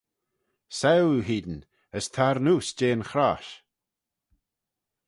Saue oo hene, as tar neose jeh'n chrosh.